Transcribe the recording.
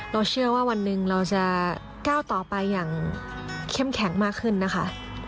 เชื่อว่าวันหนึ่งเราจะก้าวต่อไปอย่างเข้มแข็งมากขึ้นนะคะ